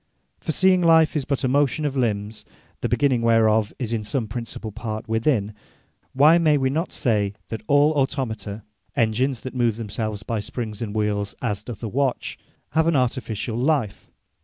For seeing life is but a motion of Limbs, the begining whereof is in some principall part within; why may we not say, that all Automata (Engines that move themselves by springs and wheeles as doth a watch) have an artificiall life?